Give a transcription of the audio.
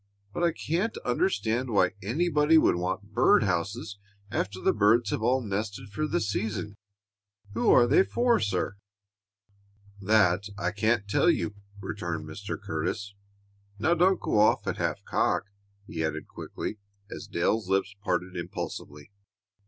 But I can't understand why anybody would want bird houses after the birds have all nested for the season. Who are they for, sir?" "That I can't tell you," returned Mr. Curtis. "Now don't go off at half cock," he added quickly, as Dale's lips parted impulsively.